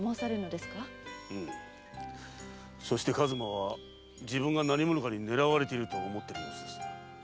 うんそして数馬は自分が何者かに狙われていると思っている様子です。